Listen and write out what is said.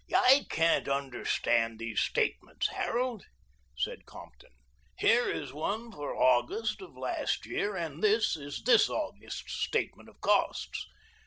"I can't understand these statements, Harold," said Compton. "Here is one for August of last year and this is this August's statement of costs.